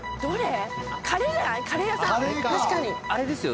あれですよ。